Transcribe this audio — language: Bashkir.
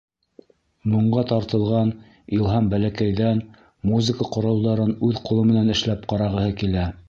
Моңға тартылған Илһам бәләкәйҙән музыка ҡоралдарын үҙ ҡулы менән эшләп ҡарағыһы килә.